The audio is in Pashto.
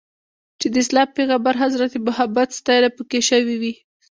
چې د اسلام د پیغمبر حضرت محمد ستاینه پکې شوې وي.